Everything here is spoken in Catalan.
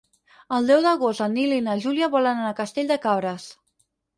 El deu d'agost en Nil i na Júlia volen anar a Castell de Cabres.